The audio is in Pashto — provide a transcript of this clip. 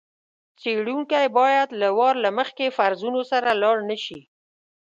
څېړونکی باید له وار له مخکې فرضونو سره لاړ نه شي.